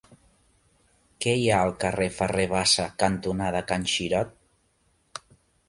Què hi ha al carrer Ferrer Bassa cantonada Can Xirot?